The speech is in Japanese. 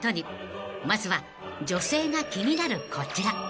［まずは女性が気になるこちら］